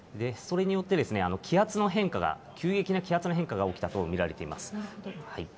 それによって気圧の変化が、急激な気圧の変化が起きたと見られています。